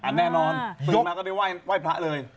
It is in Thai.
แน่นอนตื่นมาก็ได้ไหว้พระเลย